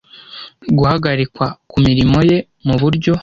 guhagarikwa ku mirimo ye mu buryo